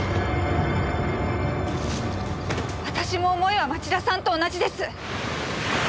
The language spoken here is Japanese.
私も思いは町田さんと同じです！